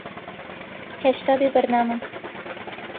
ھێشتا بێبەرنامەم.